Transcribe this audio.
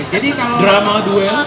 jadi kalau drama duel